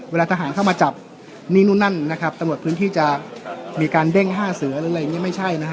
เวลาทหารเข้ามาจับนี่นู่นนั่นนะครับตระหนดพื้นที่จะ